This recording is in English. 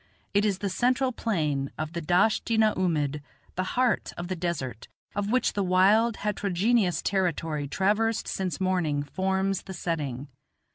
It is the central plain of the Dasht i na oomid, the heart of the desert, of which the wild, heterogeneous territory traversed since morning forms the setting.